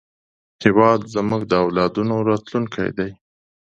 هېواد زموږ د اولادونو راتلونکی دی